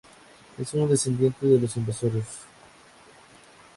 Es un descendiente de los invasores